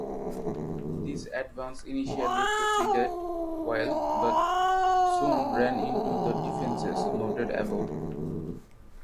This advance initially proceeded well but soon ran into the defenses noted above.